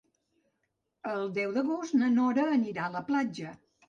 El deu d'agost na Nora anirà a la platja.